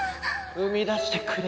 生み出してくれ。